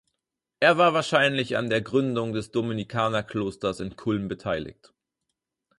Er war wahrscheinlich an der Gründung des Dominikanerklosters in Kulm beteiligt.